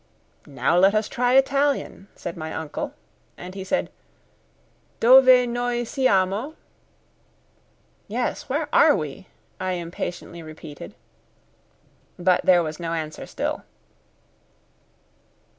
"Now let us try Italian," said my uncle; and he said: "Dove noi siamo?" "Yes, where are we?" I impatiently repeated. But there was no answer still.